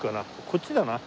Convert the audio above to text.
こっちだな。